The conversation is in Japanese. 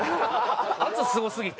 圧すごすぎて。